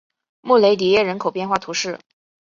穆雷迪耶人口变化图示